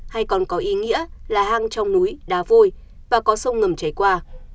hay còn có ý nghĩa là hang trong núi đá vôi và có sông ngầm chảy qua